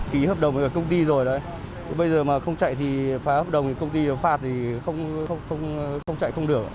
ký hợp đồng ở công ty rồi đấy bây giờ mà không chạy thì phải hợp đồng công ty phạt thì không chạy không được